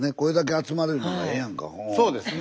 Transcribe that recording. そうですね。